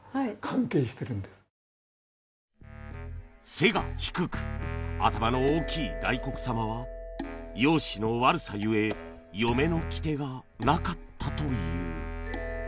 背が低く頭の大きい大黒様は容姿の悪さゆえ嫁の来手がなかったという